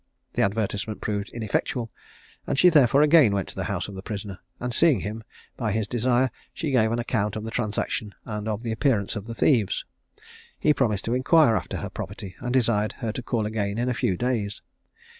The advertisement proved ineffectual, and she therefore again went to the house of the prisoner, and seeing him, by his desire she gave an account of the transaction and of the appearance of the thieves. He promised to inquire after her property, and desired her to call again in a few days.